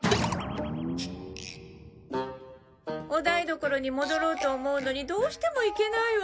お台所に戻ろうと思うのにどうしても行けないわ。